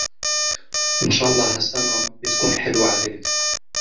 نشالله هالسنة بتكون حلوة عليك